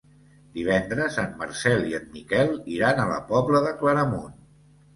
Divendres en Marcel i en Miquel iran a la Pobla de Claramunt.